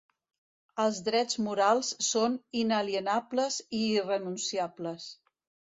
Els drets morals són inalienables i irrenunciables.